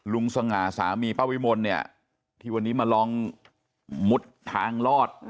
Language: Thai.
ลุงสง่าสามีป้าพี่มนต์เนี่ยที่วันนี้มาลองมุดทางลอด